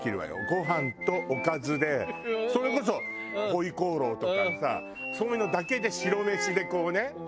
ご飯とおかずでそれこそホイコーローとかさそういうのだけで白飯でこうね食べたり。